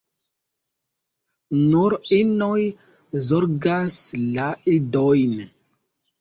Nur inoj zorgas la idojn.